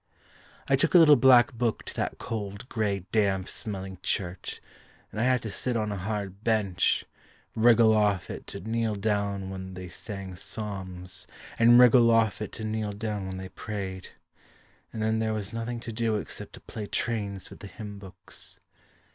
I took a little black book To that cold, grey, damp, smelling church, And I had to sit on a hard bench, Wriggle off it to kneel down when they sang psalms And wriggle off it to kneel down when they prayed, And then there was nothing to do Except to play trains with the hymn books.